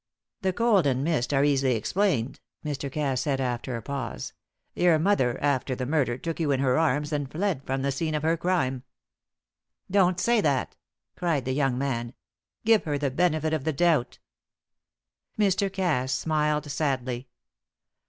"The cold and the mist are easily explained," Mr. Cass said after a pause. "Your mother, after the murder, took you in her arms and fled from the scene of her crime." "Don t say that!" cried the young man. "Give her the benefit of the doubt." Mr. Cass smiled sadly.